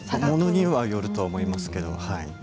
ものにはよると思いますけれども。